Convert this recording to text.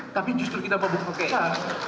tapi justru kita memperbolehkan